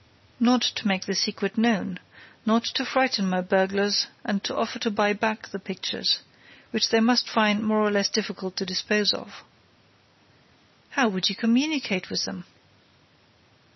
"Not to make the secret known, not to frighten my burglars and to offer to buy back the pictures, which they must find more or less difficult to dispose of." "How would you communicate with them?"